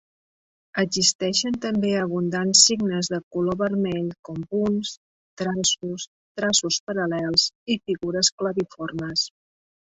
Existeixen també abundants signes de color vermell com punts, traços, traços paral·lels i figures claviformes.